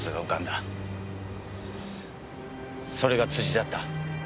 それが辻だった。